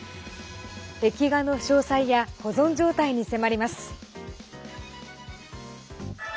壁画の詳細や保存状態に迫ります。